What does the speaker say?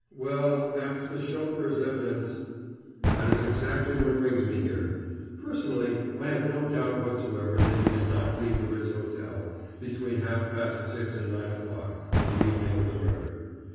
"Well, after the chauffeur's evidence " "That is exactly what brings me here. Personally, I have no doubt whatsoever that you did not leave the Ritz Hotel between half past six and nine o'clock on the evening of the murder.